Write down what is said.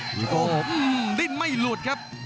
วีโก้อืมดิ้นไม่หลุดครับ